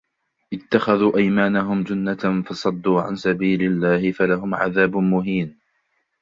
اتخذوا أيمانهم جنة فصدوا عن سبيل الله فلهم عذاب مهين